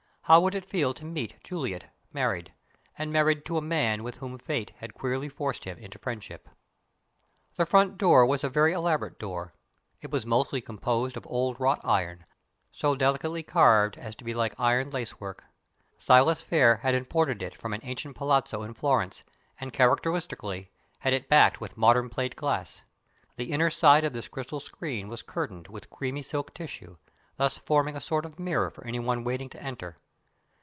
How would it feel to meet Juliet married and married to a man with whom fate had queerly forced him into friendship? The front door was a very elaborate door. It was mostly composed of old wrought iron so delicately carved as to be like iron lacework. Silas Phayre had imported it from an ancient palazzo in Florence and, characteristically, had it backed with modern plate glass. The inner side of this crystal screen was curtained with creamy silk tissue, thus forming a sort of mirror for any one waiting to enter.